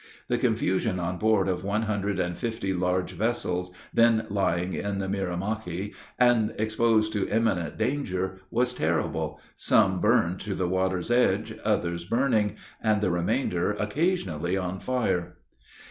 The confusion on board of one hundred and fifty large vessels, then lying in the Mirimachi, and exposed to imminent danger, was terrible some burned to the water's edge, others burning, and the remainder occasionally on fire.